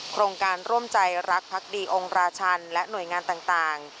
โครงการร่วมใจรักพักดีองค์ราชันและหน่วยงานต่าง